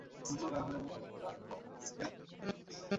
হ্যাঁ, হ্যাঁ অবশ্যই।